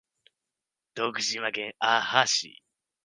徳島県阿波市